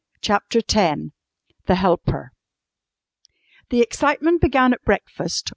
CHAPTER X THE HELPER The excitement began at breakfast.